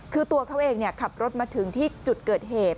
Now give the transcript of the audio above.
คือตัวเขาเองขับรถมาถึงที่จุดเกิดเหตุ